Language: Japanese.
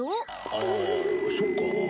ああそっか。